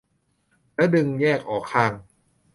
แล้วดึงแยกออกข้าง